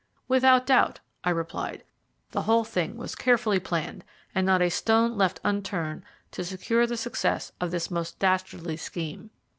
"Without doubt," I replied. "The whole thing was carefully planned, and not a stone left unturned to secure the success of this most dastardly scheme.